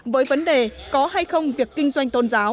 với vấn đề này